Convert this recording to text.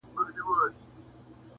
له عالمه پټ پنهم د ځان په ویر یم.